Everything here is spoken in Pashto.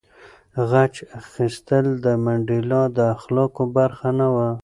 غچ اخیستل د منډېلا د اخلاقو برخه نه وه.